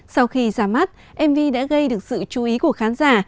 sau khi ra mắt mv đã gây được sự chú ý của khán giả